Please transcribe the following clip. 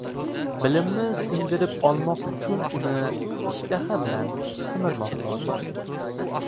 Bilimni singdirib olmoq uchun uni ishtaha bilan simirmoq lozim.